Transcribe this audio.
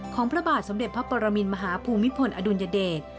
พระบาทสมเด็จพระปรมินมหาภูมิพลอดุลยเดช